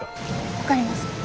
分かります。